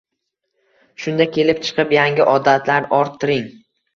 Shunda kelib chiqib yangi odatlar orttiring.